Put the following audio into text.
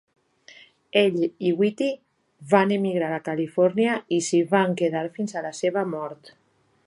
Ell i Whitty van emigrar a Califòrnia, i s'hi van quedar fins a la seva mort.